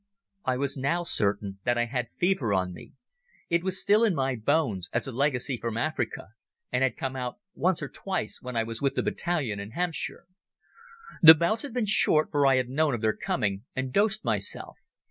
I was now certain that I had fever on me. It was still in my bones, as a legacy from Africa, and had come out once or twice when I was with the battalion in Hampshire. The bouts had been short for I had known of their coming and dosed myself.